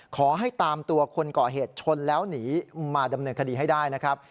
ขอให้ตามตัวคนก่อเหตุชนแล้วหนีมาดำเนินคดีให้ได้นะครับ